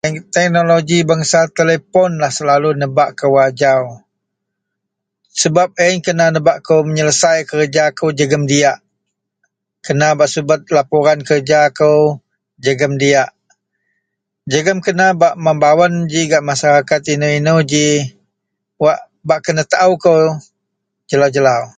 Teknoloji bangsa telepoh lah selalu nebak kou ajau sebab ayen kena nebak kou menyelesai kerja kou jegem diyak kena bak subet lapuran kerja kou jegem diyak jegem kena bak mebawen ji gak masarakat ino-ino ji wak bak kena taao kou jelau-jelau